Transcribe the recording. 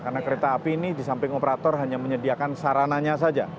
karena kereta api ini di samping operator hanya menyediakan sarananya saja